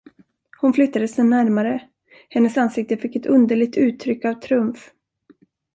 Hon flyttade sig närmare, hennes ansikte fick ett underligt uttryck av triumf.